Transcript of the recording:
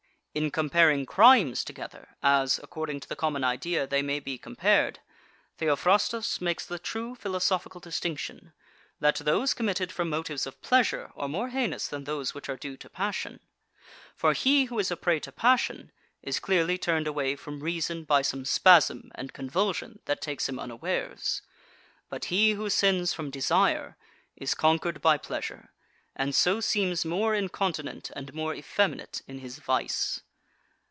10. In comparing crimes together, as, according to the common idea, they may be compared, Theophrastus makes the true philosophical distinction, that those committed from motives of pleasure are more heinous than those which are due to passion. For he who is a prey to passion is clearly turned away from reason by some spasm and convulsion that takes him unawares. But he who sins from desire is conquered by pleasure, and so seems more incontinent and more effeminate in his vice.